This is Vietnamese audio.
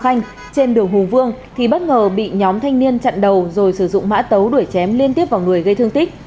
phạm văn sang và bảo khanh trên đường hùng vương thì bất ngờ bị nhóm thanh niên chặn đầu rồi sử dụng mã tấu đuổi chém liên tiếp vào người gây thương tích